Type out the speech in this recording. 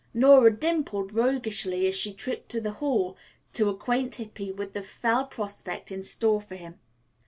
Nora dimpled roguishly as she tripped to the hall to acquaint Hippy with the fell prospect in store for him.